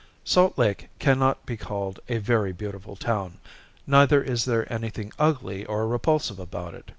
Salt Lake cannot be called a very beautiful town, neither is there anything ugly or repulsive about it.